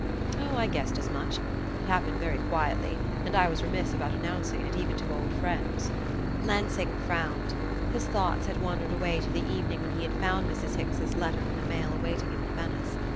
"Oh, I guessed as much: it happened very quietly, and I was remiss about announcing it, even to old friends." Lansing frowned. His thoughts had wandered away to the evening when he had found Mrs. Hicks's letter in the mail awaiting him at Venice.